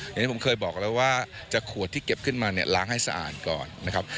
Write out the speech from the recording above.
อย่างที่ผมเคยบอกแล้วว่าจะขวดที่เก็บขึ้นมาเนี่ยล้างให้สะอาดก่อนนะครับ